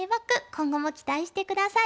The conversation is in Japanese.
今後も期待して下さい。